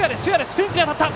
フェンスに当たった！